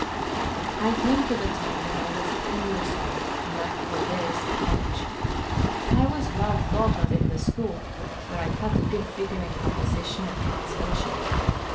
I come to the time when I was ten years old and at Rodez College. I was well thought of in the school, for I cut a good figure in composition and translation.